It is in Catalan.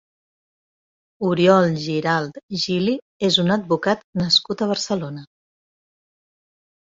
Oriol Giralt Gili és un advocat nascut a Barcelona.